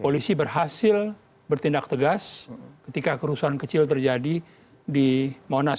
polisi berhasil bertindak tegas ketika kerusuhan kecil terjadi di monas